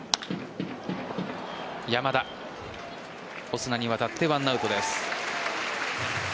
山田オスナにわたって１アウトです。